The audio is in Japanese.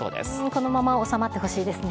このまま収まってほしいですね。